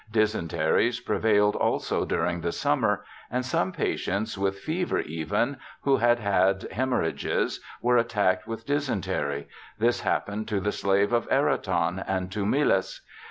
... Dysenteries prevailed also during the summer ; and some patients with fever even, who had had hemorrhages, were attacked with dysentery : this happened to the slave of Eraton, and to Myllus.